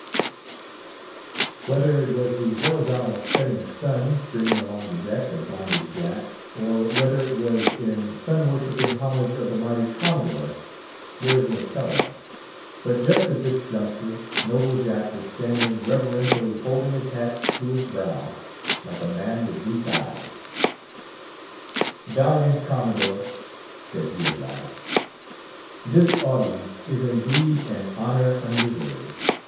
Whether it was the horizontal setting sun, streaming along the deck, that blinded Jack, or whether it was in sun worshipping homage of the mighty Commodore, there is no telling; but just at this juncture noble Jack was standing reverentially holding his hat to his brow, like a man with weak eyes. "Valiant Commodore," said he, at last, "this audience is indeed an honour undeserved.